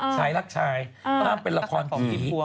ชายรักชายห้ามเป็นละครผี